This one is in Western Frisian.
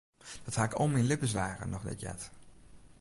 Dat ha ik al myn libbensdagen noch net heard.